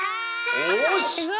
よし！